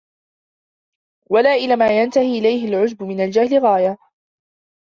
وَلَا إلَى مَا يَنْتَهِي إلَيْهِ الْعُجْبُ مِنْ الْجَهْلِ غَايَةٌ